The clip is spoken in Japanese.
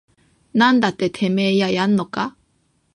なんだててめぇややんのかぁ